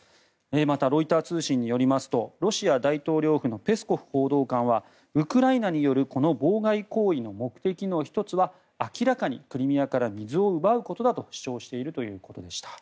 また、ロイター通信によりますとロシア大統領府のペスコフ報道官はウクライナによるこの妨害行為の目的の１つは明らかにクリミアから水を奪うことだと主張しているということでした。